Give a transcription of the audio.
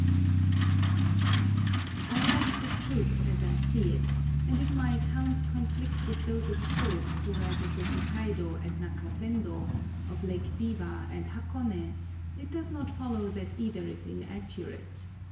[Picture: Summer and Winter Costume] I write the truth as I see it, and if my accounts conflict with those of tourists who write of the Tokaido and Nakasendo, of Lake Biwa and Hakone, it does not follow that either is inaccurate.